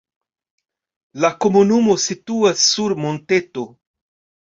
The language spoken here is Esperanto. La komunumo situas sur monteto.